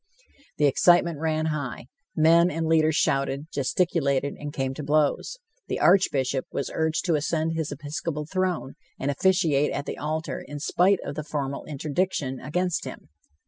The excitement ran high; men and leaders shouted, gesticulated and came to blows. The Archbishop was urged to ascend his episcopal throne and officiate at the altar in spite of the formal interdiction against him.